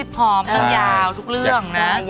ตั้งยาวทุกเรื่องนะ